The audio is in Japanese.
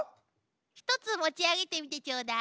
１つ持ち上げてみてちょうだい。